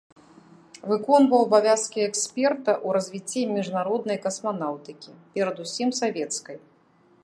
Выконваў абавязкі эксперта ў развіцці міжнароднай касманаўтыкі, перад усім савецкай.